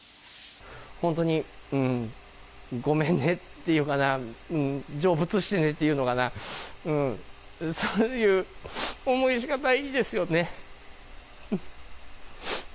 本当にごめんねっていうかな、成仏してねっていうのかな、そういう思いしかないですよね。